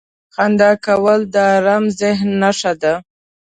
• خندا کول د ارام ذهن نښه ده.